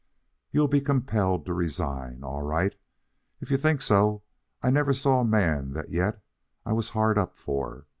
You'll be compelled to resign? All right, if you think so I never saw the man yet that I was hard up for.